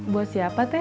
buat siapa teh